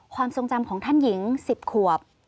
ความทรงจำของท่านหญิง๑๐ขวบ